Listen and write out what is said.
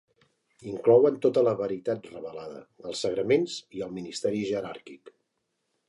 Inclouen tota la veritat revelada, els sagraments i el ministeri jeràrquic.